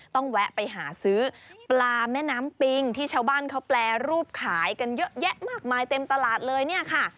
แวะไปหาซื้อปลาแม่น้ำปิงที่ชาวบ้านเขาแปรรูปขายกันเยอะแยะมากมายเต็มตลาดเลยเนี่ยค่ะ